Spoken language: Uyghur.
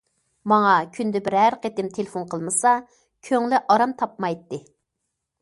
ماڭا كۈندە بىرەر قېتىم تېلېفون قىلمىسا كۆڭلى ئارام تاپمايتتى.